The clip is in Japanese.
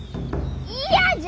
嫌じゃ！